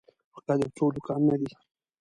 فقط یو څو دوکانونه دي.